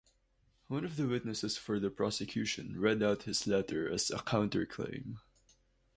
One of the witnesses for the prosecution read out his letter as a counterclaim.